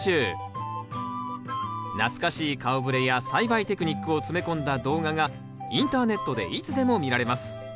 懐かしい顔ぶれや栽培テクニックを詰め込んだ動画がインターネットでいつでも見られます。